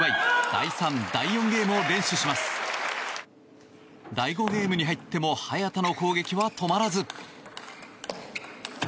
第５ゲームに入っても早田の攻撃は止まらず。